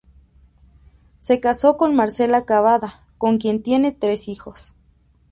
Se casó con Marcela Cabada, con quien tiene tres hijos.